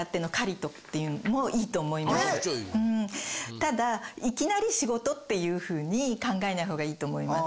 ただいきなり仕事っていうふうに考えない方がいいと思います。